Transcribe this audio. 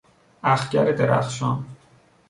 اخگر درخشان